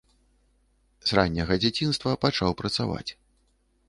С ранняга дзяцінства пачаў працаваць.